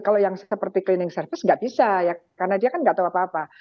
kalau yang seperti cleaning service nggak bisa ya karena dia kan nggak tahu apa apa